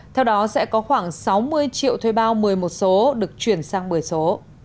theo đó sẽ có khoảng sáu mươi triệu thuê bao một mươi một số được chuyển sang một mươi số